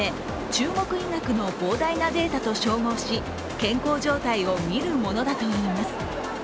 中国医学の膨大なデータと照合し、健康状態をみるものだといいます。